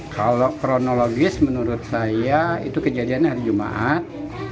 kalau kronologis menurut saya itu kejadian hari jumat